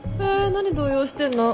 何動揺してんの？